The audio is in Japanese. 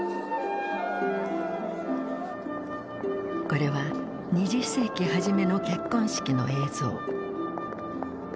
これは２０世紀初めの結婚式の映像。